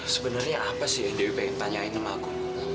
sebenernya apa sih yang dewi pengen tanyain sama aku